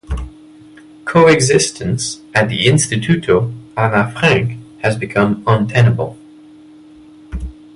Coexistence at the Instituto Anna Frank has become untenable.